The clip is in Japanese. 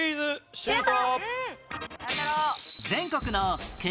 シュート！